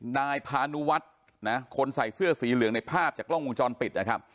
นายพานุวัฒน์นะคนใส่เสื้อสีเหลืองในภาพจากกล้องวงจรปิดนะครับ